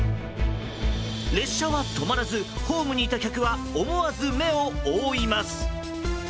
列車は止まらずホームにいた客は思わず目を覆います。